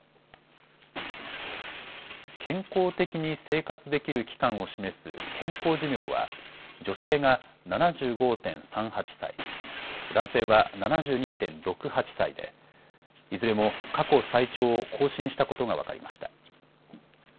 健康的に生活できる期間を示す健康寿命は、女性が７５．３８歳、男性は７２．６８歳で、いずれも過去最長を更新したことが分かりました。